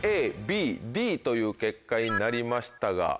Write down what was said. ＡＡＢＤという結果になりましたが。